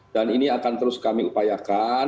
dan ini akan terus kami upayakan